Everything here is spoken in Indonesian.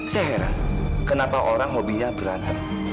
saya heran kenapa orang hobinya berantem